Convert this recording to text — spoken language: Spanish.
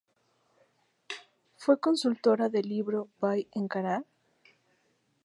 Fue consultora del libro "Vai encarar?